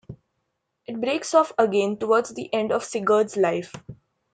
It breaks off again towards the end of Sigurd's life.